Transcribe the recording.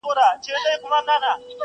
نا پاکستانه کنډواله دي کړمه.